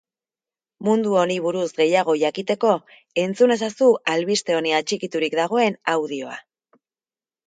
Mundu honi buruz gehiago jakiteko entzun ezazu albiste honi atxikiturik dagoen audioa.